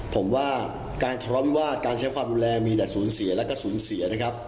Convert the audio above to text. ผมว่าการทะเลาะวิวาสการใช้ความรุนแรงมีแต่สูญเสียและก็สูญเสียนะครับ